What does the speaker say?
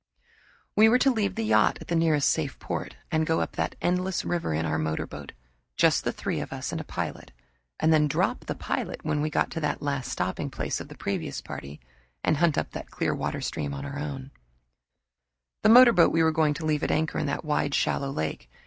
We were to leave the yacht at the nearest safe port and go up that endless river in our motorboat, just the three of us and a pilot; then drop the pilot when we got to that last stopping place of the previous party, and hunt up that clear water stream ourselves. The motorboat we were going to leave at anchor in that wide shallow lake.